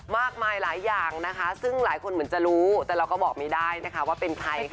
มากมายหลายอย่างนะคะซึ่งหลายคนเหมือนจะรู้แต่เราก็บอกไม่ได้นะคะว่าเป็นใครค่ะ